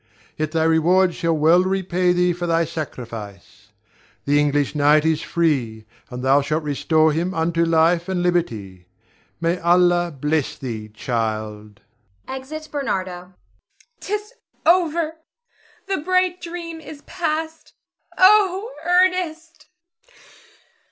Yet thy reward shall well repay thee for thy sacrifice. The English knight is free, and thou shalt restore him unto life and liberty. May Allah bless thee, child! [Exit Bernardo. Zara. 'Tis over! The bright dream is past. Oh, Ernest!